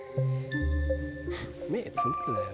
「目つむるなよ